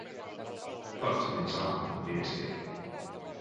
Katselin saamamme viestiä.